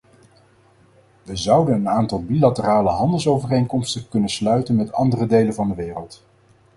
We zouden een aantal bilaterale handelsovereenkomsten kunnen sluiten met andere delen van de wereld.